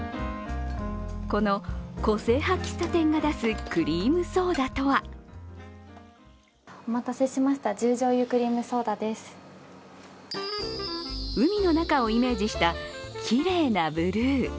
この個性派喫茶店が出すクリームソーダとは海の中をイメージした、きれいなブルー。